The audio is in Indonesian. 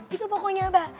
itu pokoknya mba